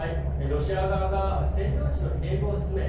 ロシア側が占領地の併合を進め